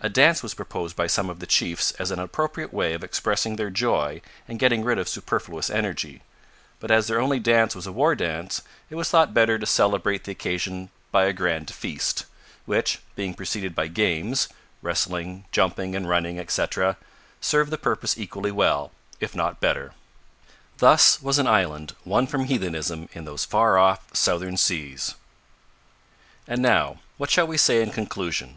A dance was proposed by some of the chiefs as an appropriate way of expressing their joy and getting rid of superfluous energy; but as their only dance was a war dance, it was thought better to celebrate the occasion by a grand feast which, being preceded by games wrestling, jumping, and running, etcetera served the purpose equally well if not better. Thus was an island won from heathenism in those far off southern seas! And now, what shall we say in conclusion?